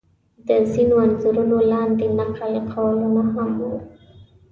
د ځینو انځورونو لاندې نقل قولونه هم و.